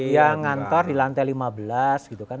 iya ngantor di lantai lima belas gitu kan